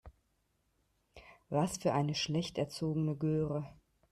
Was für eine schlecht erzogene Göre.